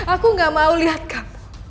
aku gak mau liat kamu